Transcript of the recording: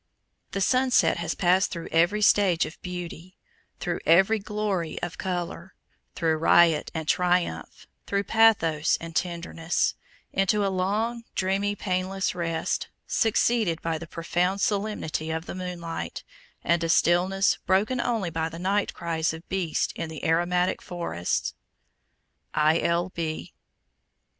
The sunset has passed through every stage of beauty, through every glory of color, through riot and triumph, through pathos and tenderness, into a long, dreamy, painless rest, succeeded by the profound solemnity of the moonlight, and a stillness broken only by the night cries of beasts in the aromatic forests. I. L. B.